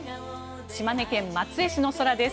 島根県松江市の空です。